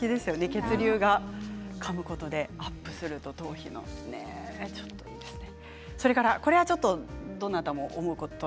血流が、かむことでアップすると頭皮のね。